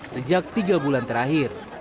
sejak tiga bulan terakhir